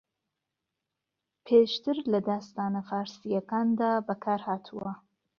پێشتر لە داستانە فارسییەکاندا بەکارھاتوە